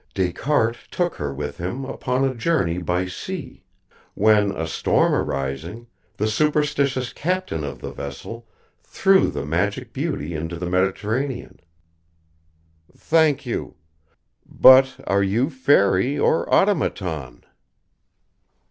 Descartes took her with him upon a journey by sea; when, a storm arising, the superstitious captain of the vessel threw the magic beauty into the Mediterranean." "Thank you. But, are you fairy or automaton?"